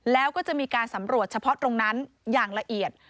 แล้วก็จะมีการสำรวจเฉพาะตรงนั้นอย่างละเอียด